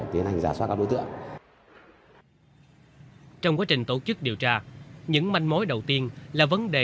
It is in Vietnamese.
tiến hành giả soát các đối tượng trong quá trình tổ chức điều tra những manh mối đầu tiên là vấn đề